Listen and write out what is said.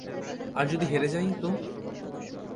আর যদি হেরে যাই তো?